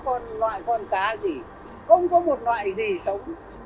không có một loại con cá gì không có một loại gì sống